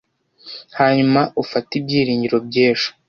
hanyuma ufate ibyiringiro by'ejo